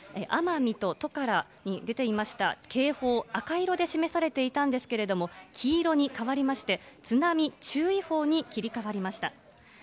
奄美とトカラに出ていました警報、赤色で示されていたんですけれども、黄色に変わりまして、津波注意報に切り替わりました。